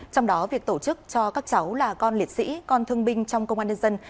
trong đó việc tổ chức cho các cháu là con liệt sĩ con thương binh trong công an nhân dân